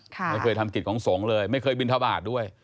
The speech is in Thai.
ไม่เคยทำกิจของสงฆ์เลยไม่เคยบินทบาทด้วย